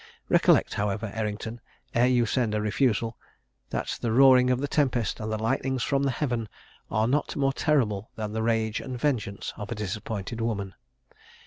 Recollect, however, Errington, ere you send a refusal, that the roaring of the tempest, and the lightnings from heaven, are not more terrible than the rage and vengeance of a disappointed woman.